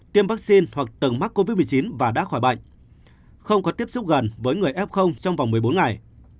tiêm vaccine hoặc từng mắc covid một mươi chín và đã khỏi bệnh không có tiếp xúc gần với người f trong vòng một mươi bốn ngày